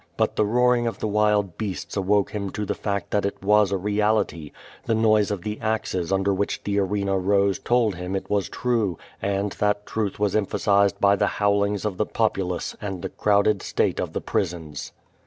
But the roaring of the wild beasts awoke him to the fact that it was a reality; the noise of the axes under which the arena rose told him it was true, and that truth wxis emphasized b}^ the bowlings of the populace and the crowded state of the prisons.